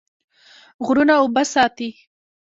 غرونه اوبه ساتي.